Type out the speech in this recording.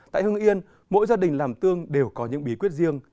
tại hưng yên mỗi gia đình làm tương đều có những bí quyết riêng